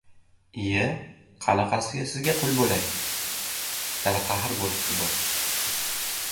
-Ie, qanaqasiga sizga qul bo‘lay? – darqaxr bo‘libdi boy.